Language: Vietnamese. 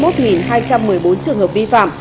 hai mươi một hai trăm một mươi bốn trường hợp vi phạm